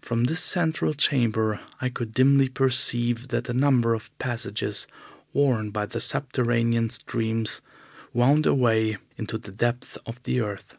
From this central chamber I could dimly perceive that a number of passages worn by the subterranean streams wound away into the depths of the earth.